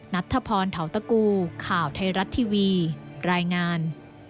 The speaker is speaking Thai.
นัทธพรเทาตะกูข่าวไทยรัฐทีวีรายงาน